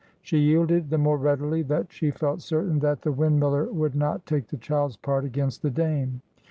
She yielded the more readily that she felt certain that the windmiller would not take the child's part against the Dame.